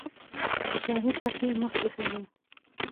په شاهي تخت یې مخ ایښی دی.